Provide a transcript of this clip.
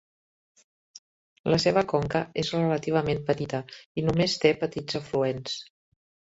La seva conca és relativament petita, i només té petits afluents.